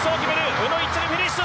宇野、１着フィニッシュ！